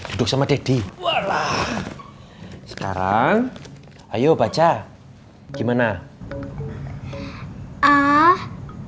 duduk sama deddy walah sekarang ayo baca gimana ah